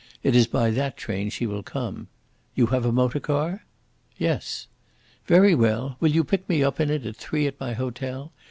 It is by that train she will come. You have a motor car?" "Yes." "Very well. Will you pick me up in it at three at my hotel?